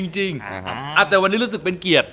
จริงแต่วันนี้รู้สึกเป็นเกียรติ